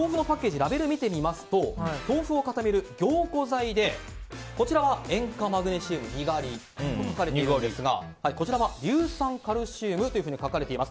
ラベルを見てみますと豆腐を固める凝固剤で、こちらは塩化マグネシウム・にがり書かれているんですがこちらは硫酸カルシウムと書かれています。